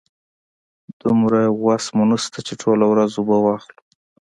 دومره وسه مو نشته چې ټوله ورځ اوبه واخلو.